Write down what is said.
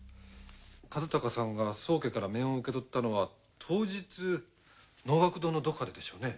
和鷹さんが宗家から面を受け取ったのは当日能楽堂のどこかででしょうね？